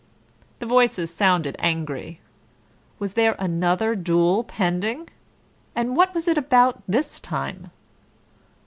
The voices sounded angry. Was there another duel pending? And what was it about this time?